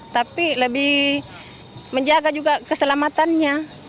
tapi lebih menjaga juga keselamatannya